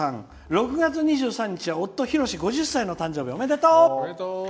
６月２３日は、夫ひろしの５０歳の誕生日。おめでとう！